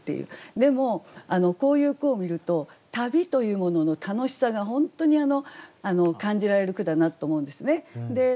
でもこういう句を見ると旅というものの楽しさが本当に感じられる句だなと思うんですね。